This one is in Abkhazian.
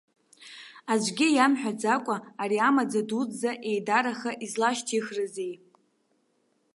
Аӡәгьы иамҳәаӡакәа ари амаӡа дуӡӡа еидараха излашьҭихрызеи?